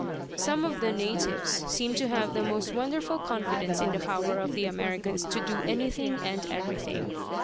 Some of the natives seem to have the most wonderful confidence in the power of the Americans to do anything and everything.